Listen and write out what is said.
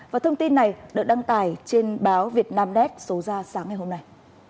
và thông tin này đã đăng tải trên báo vietnamnet số ra sáng ngày hôm nay